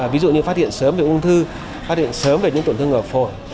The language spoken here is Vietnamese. ví dụ như phát hiện sớm về ung thư phát hiện sớm về những tổn thương ở phổi